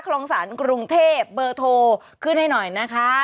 คลองศาลกรุงเทพเบอร์โทรขึ้นให้หน่อยนะคะ